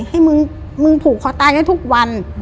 ให้มึงมึงผูกคอตายให้ทุกวัน